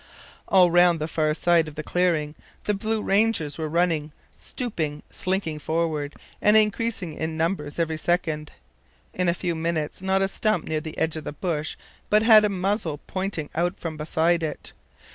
All round the far side of the clearing the blue rangers were running, stooping, slinking forward, and increasing in numbers every second. In a few minutes not a stump near the edge of the bush but had a muzzle pointing out from beside it.